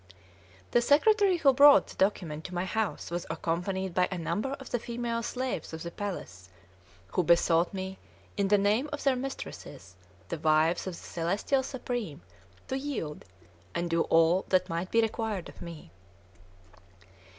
The secretary who brought the document to my house was accompanied by a number of the female slaves of the palace, who besought me, in the name of their mistresses, the wives of the "Celestial Supreme," to yield, and do all that might be required of me.